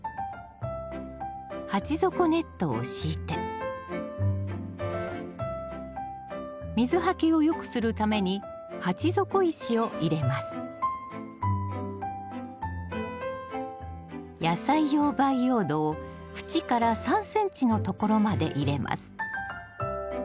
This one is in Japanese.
鉢底ネットを敷いて水はけを良くするために鉢底石を入れます野菜用培養土を縁から３ｃｍのところまで入れます。